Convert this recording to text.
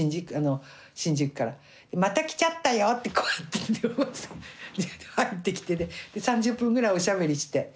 「また来ちゃったよ」ってこうやって入ってきてね３０分ぐらいおしゃべりして。